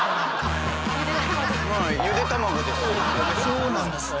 そうなんですね。